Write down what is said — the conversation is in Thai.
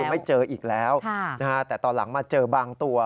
ไม่เจออีกแล้วแต่ตอนหลังมาเจอบางตัว